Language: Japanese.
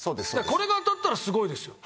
これが当たったらすごいですよ。